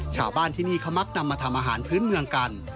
ชาวบ้านที่นี่เขามักนำมาทำอาหารพื้นเมืองกัน